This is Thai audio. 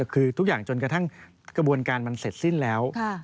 คือทุกอย่างจนกระทั่งกระบวนการมันเสร็จสิ้นแล้ว